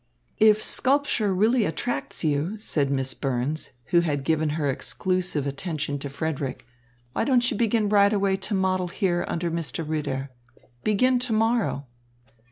"If sculpture really attracts you," said Miss Burns, who had given her exclusive attention to Frederick, "why don't you begin right away to model here under Mr. Ritter? Begin to morrow."